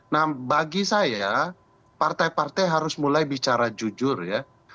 nah bagi saya partai partai harus mulai bicara jujur ya